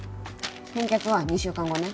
返却は２週間後ね。